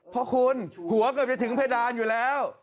เพราะคุณหัวเกือบจะถึงเพดานอยู่แล้ว